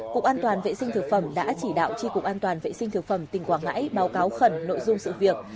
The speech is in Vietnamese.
cục an toàn vệ sinh thực phẩm đã chỉ đạo tri cục an toàn vệ sinh thực phẩm tỉnh quảng ngãi báo cáo khẩn nội dung sự việc